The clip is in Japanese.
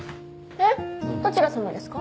えっ？どちらさまですか？